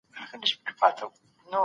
پښتو ژبه په ټولني کي ډېره مهمه ده.